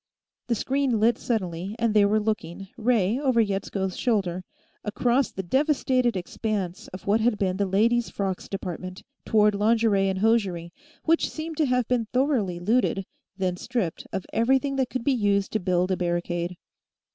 The screen lit suddenly, and they were looking, Ray over Yetsko's shoulder, across the devastated expanse of what had been the Ladies' Frocks department, toward Lingerie and Hosiery, which seemed to have been thoroughly looted, then stripped of everything that could be used to build a barricade.